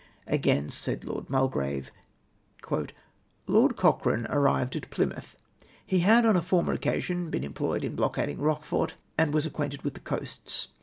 Again, said Lo]\l Mulgrave :—• "Lord Cochrane arrived at Plymouth. He had on a former occasion been employed in blockading Rochefort, and was acquainted with the coasts.